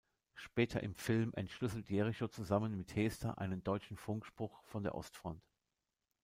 Später im Film entschlüsselt Jericho zusammen mit Hester einen deutschen Funkspruch von der Ostfront.